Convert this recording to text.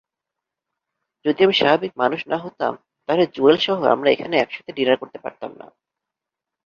যদি আমি স্বাভাবিক মানুষ না হতাম তাহলে জুয়েলসহ আমরা এখানে একসাথে ডিনার করতে পারতামনা।